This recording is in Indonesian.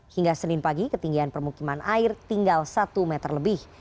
hingga senin pagi ketinggian permukiman air tinggal satu meter lebih